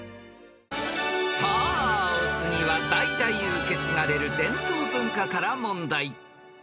［さあお次は代々受け継がれる伝統文化から問題］